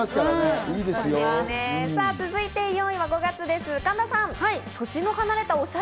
続いて４位は５月です、神田さん。